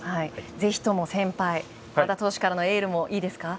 ぜひとも先輩・和田投手からのエールもいいですか。